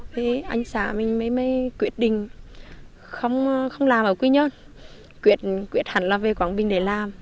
thì anh xã mình mới quyết định không làm ở quy nhơn quyết hẳn là về quảng bình để làm